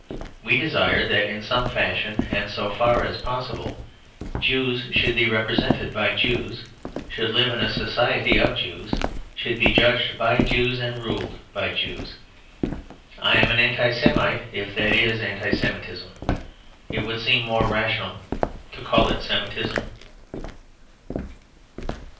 We desired that in some fashion, and so far as possible, Jews should be represented by Jews, should live in a society of Jews, should be judged by Jews and ruled by Jews. I am an Anti Semite if that is Anti Semitism. It would seem more rational to call it Semitism.